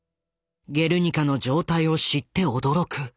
「ゲルニカ」の状態を知って驚く。